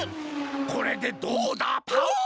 これでどうだパオン！